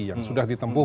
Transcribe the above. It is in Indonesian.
yang sudah ditempuh